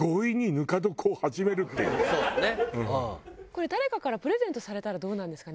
これ誰かからプレゼントされたらどうなんですかね？